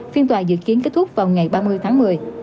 phiên tòa dự kiến kết thúc vào ngày ba mươi tháng một mươi